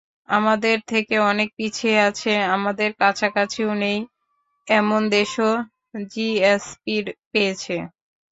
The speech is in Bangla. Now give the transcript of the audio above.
আমাদের থেকে অনেক পিছিয়ে আছে, আমাদের কাছাকাছিও নেই, এমন দেশও জিএসপি পেয়েছে।